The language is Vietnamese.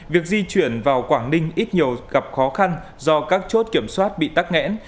việc di chuyển vào quảng ninh ít nhiều gặp khó khăn do các chốt kiểm soát bị tắt nghẽn